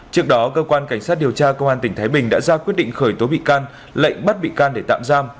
trước đó cơ quan cảnh sát điều tra công an tỉnh thái bình đã ra quyết định khởi tố bị can lệnh bắt bị can để tạm giam